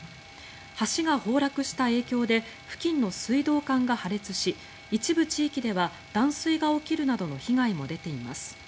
橋が崩落した影響で付近の水道管が破裂し一部地域では断水が起きるなどの被害も出ています。